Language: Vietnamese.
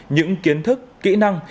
những kiến thức kỹ năng